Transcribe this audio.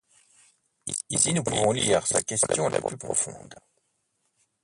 Ici nous pouvons lire sa question la plus profonde.